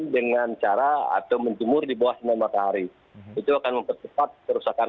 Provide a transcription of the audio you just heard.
dengan menggunakan alas dan panas tidak terlalu panas